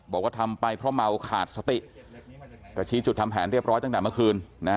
บอกว่าทำไปเพราะเมาขาดสติก็ชี้จุดทำแผนเรียบร้อยตั้งแต่เมื่อคืน